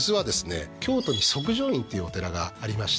京都に即成院っていうお寺がありまして